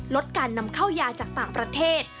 ลดการนำเข้ายาจากต่างประเทศ